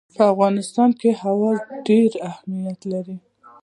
په افغانستان کې هوا ډېر اهمیت لري.